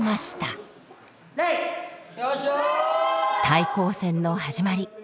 対抗戦の始まり。